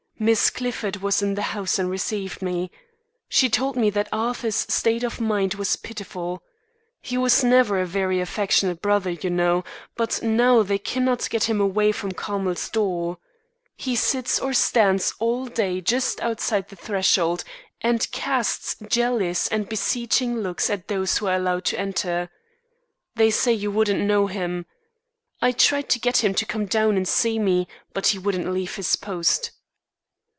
Miss Clifford was in the house and received me. She told me that Arthur's state of mind was pitiful. He was never a very affectionate brother, you know, but now they cannot get him away from Carmel's door. He sits or stands all day just outside the threshold and casts jealous and beseeching looks at those who are allowed to enter. They say you wouldn't know him. I tried to get him to come down and see me, but he wouldn't leave his post."